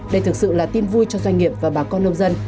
đây thực sự là tin vui cho doanh nghiệp và bà con nông dân